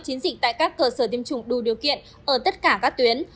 chiến dịch tại các cơ sở tiêm chủng đủ điều kiện ở tất cả các tuyến